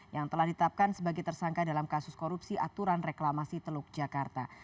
yang telah ditapkan sebagai tersangka dalam kasus korupsi aturan reklamasi teluk jakarta